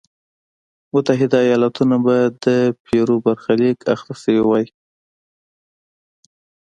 متحده ایالتونه به د پیرو برخلیک اخته شوی وای.